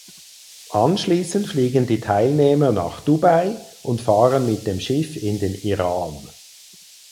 Anschließend fliegen die Teilnehmer nach Dubai und fahren mit dem Schiff in den Iran.